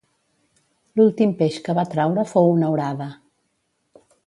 L’últim peix que va traure fou una orada.